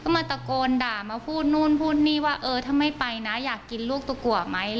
มาตะโกนด่ามาพูดนู่นพูดนี่ว่าเออถ้าไม่ไปนะอยากกินลูกตะกัวไหม